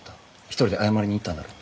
一人で謝りに行ったんだろ？